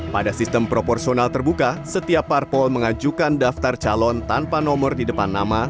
pada sistem proporsional terbuka setiap parpol mengajukan daftar calon tanpa nomor di depan nama